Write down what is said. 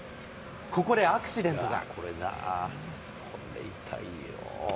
ここでアクシデントが。